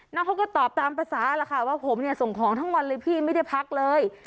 น้องเขาก็ตอบตามภาษาล่ะค่ะว่าผมเนี่ยส่งของทั้งวันเลยพี่ไม่ได้พักเลย